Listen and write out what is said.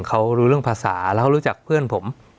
เขารู้เรื่องภาษาแล้วเขารู้จักเพื่อนผม